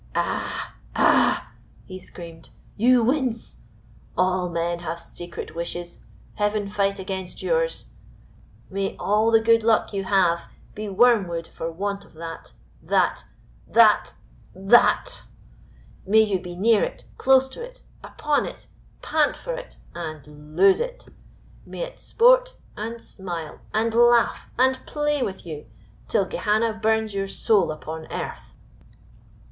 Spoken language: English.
Ah, ah!" he screamed, "you wince. All men have secret wishes Heaven fight against yours. May all the good luck you have be wormwood for want of that that that that. May you be near it, close to it, upon it, pant for it, and lose it; may it sport, and smile, and laugh, and play with you till Gehenna burns your soul upon earth!"